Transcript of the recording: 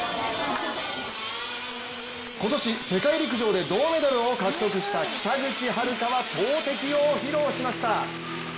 今年、世界陸上で銅メダルを獲得した北口榛花は投てきを披露しました！